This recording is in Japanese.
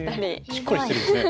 しっかりしてるんですね。